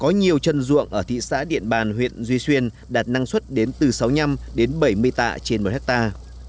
có nhiều chân ruộng ở thị xã điện bàn huyện duy xuyên đạt năng suất đến từ sáu mươi năm đến bảy mươi tạ trên một hectare